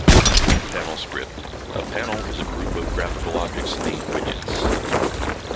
Panel script: a panel is a group of graphical objects named widgets.